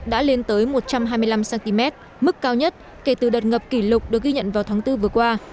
đã lên tới một trăm hai mươi năm cm mức cao nhất kể từ đợt ngập kỷ lục được ghi nhận vào tháng bốn vừa qua